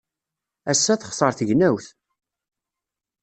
Ass-a, texṣer tegnewt.